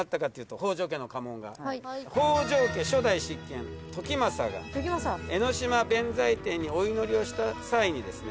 北条家初代執権時政が江の島弁財天にお祈りをした際にですね